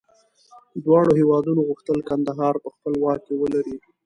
دواړو هېوادونو غوښتل کندهار په خپل واک کې ولري.